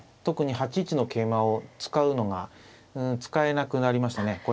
特に８一の桂馬を使うのが使えなくなりましたね。